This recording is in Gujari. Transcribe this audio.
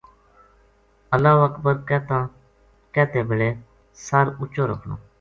اللہ اکبر کہتے بلے سر اچو رکھنو۔